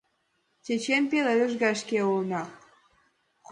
Чечен пеледыш гай шке улына.